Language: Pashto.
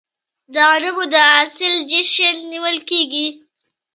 د غنمو د حاصل جشن نیول کیږي.